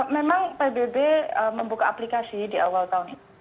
memang pbb membuka aplikasi di awal tahun ini